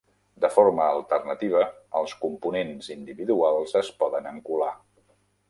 De forma alternativa, els components individuals es poden encolar.